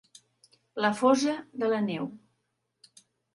La fosa de la neu.